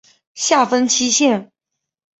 下分七县。